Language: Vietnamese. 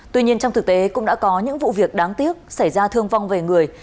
tuy nhiên trong thực tế cũng đã có những vụ việc đáng tiếc xảy ra thương vong về người